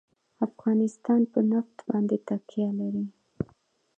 افغانستان په نفت باندې تکیه لري.